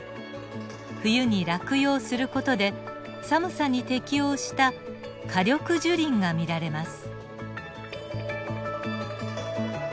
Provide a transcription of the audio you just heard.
冬に落葉する事で寒さに適応した夏緑樹林が見られます。